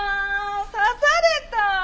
刺された。